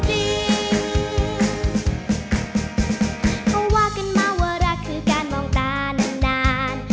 เขาว่ากันมาว่ารักคือการมองตานาน